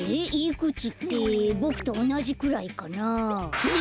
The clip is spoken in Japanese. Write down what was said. いくつってボクとおなじくらいかな？